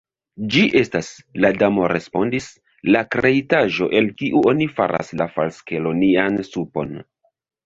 "Ĝi estas," la Damo respondis, "la kreitaĵo, el kiu oni faras la falskelonian supon."